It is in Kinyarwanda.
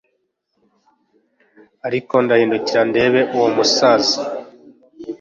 ariko ndahindukira ndeba uwo umusaza